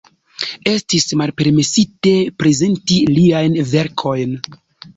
Estis malpermesite prezenti liajn verkojn.